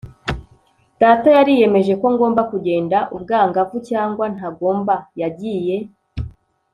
data yariyemeje ko ngomba kugenda, ubwangavu cyangwa ntagomba. yagiye